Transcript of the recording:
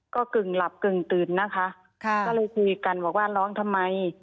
ก็กึ่งหลับกึ่งตื่นนะคะก็เลยคุยกันบอกว่าร้องทำไม